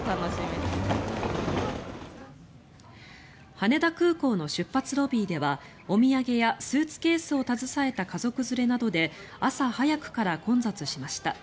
羽田空港の出発ロビーではお土産やスーツケースを携えた家族連れなどで朝早くから混雑しました。